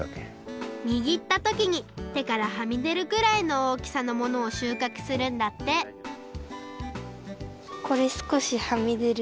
にぎったときにてからはみでるぐらいのおおきさのものをしゅうかくするんだってこれすこしはみでる。